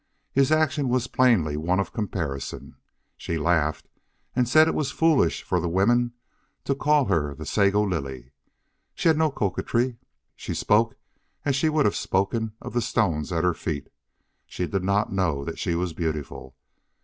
His action was plainly one of comparison. She laughed and said it was foolish for the women to call her the Sago Lily. She had no coquetry; she spoke as she would have spoken of the stones at her feet; she did not know that she was beautiful.